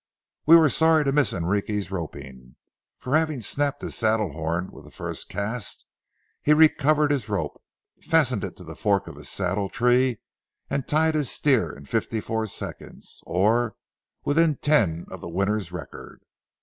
We were sorry to miss Enrique's roping; for having snapped his saddle horn with the first cast, he recovered his rope, fastened it to the fork of his saddletree, and tied his steer in fifty four seconds, or within ten of the winner's record.